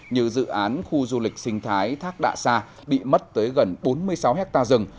như dự án khu du lịch sinh thái thác đạ sa bị mất tới gần bốn mươi sáu hectare rừng